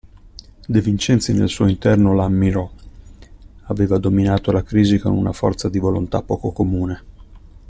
De Vincenzi nel suo interno la ammirò: aveva dominato la crisi con una forza di volontà poco comune.